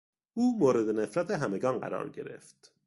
او مورد نفرت همگان قرار گرفت.